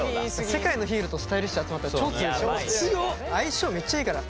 世界のヒーローとスタイリッシュ集まったら超強い。